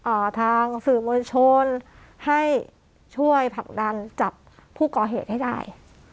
ทางสื่อมวลชนให้ช่วยผลักดันจับผู้ก่อเหตุให้ได้